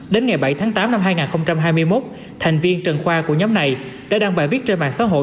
đến ngày bảy tháng tám năm hai nghìn hai mươi một thành viên trần khoa của nhóm này đã đăng bài viết trên mạng xã hội